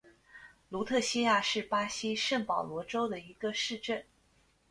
卢特西亚是巴西圣保罗州的一个市镇。